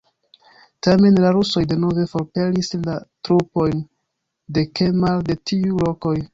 Tamen, la rusoj denove forpelis la trupojn de Kemal de tiuj lokoj.